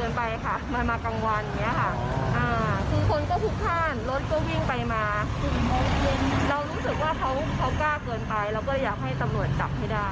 รถก็วิ่งไปมาเรารู้สึกว่าเขากล้าเกินไปเราก็อยากให้ตำรวจจับให้ได้